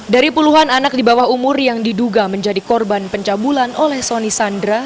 dari puluhan anak di bawah umur yang diduga menjadi korban pencabulan oleh soni sandra